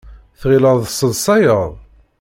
Tɣileḍ tesseḍsayeḍ?